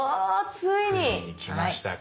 ついに来ましたか。